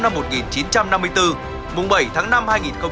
mùng bảy tháng năm năm hai nghìn hai mươi bốn